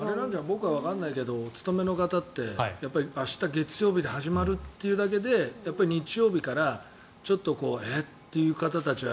僕はわからないけどお勤めの方って明日、月曜日が始まるというだけでやっぱり日曜日からちょっとうえーって方たちは。